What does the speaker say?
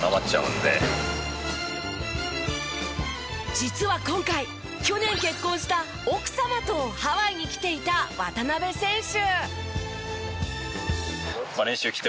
実は今回去年結婚した奥様とハワイに来ていた渡邊選手。